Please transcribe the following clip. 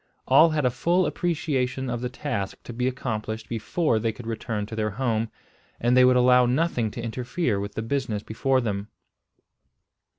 All had a full appreciation of the task to be accomplished before they could return to their home, and they would allow nothing to interfere with the business before them.